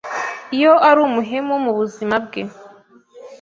iyo ari umuhemu mu buzima bwe,